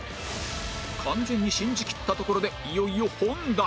完全に信じきったところでいよいよ本題！